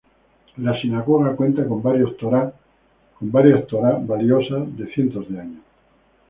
La sinagoga cuenta con varias Torá valiosas, de cientos de años.